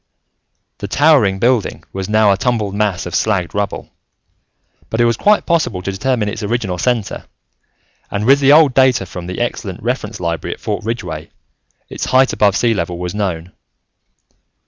The towering building was now a tumbled mass of slagged rubble, but it was quite possible to determine its original center, and with the old data from the excellent reference library at Fort Ridgeway, its height above sea level was known.